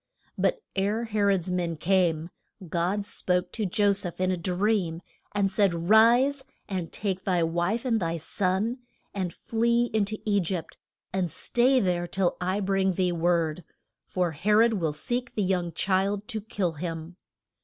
] But ere He rod's men came, God spoke to Jo seph in a dream, and said, Rise, and take thy wife and thy son, and flee in to E gypt, and stay there till I bring thee word; for He rod will seek the young child to kill him.